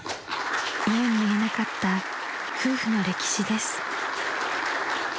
［言うに言えなかった夫婦の歴史です］